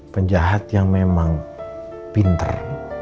penjahat yang memang pinter